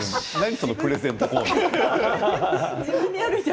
そのプレゼントコーナー。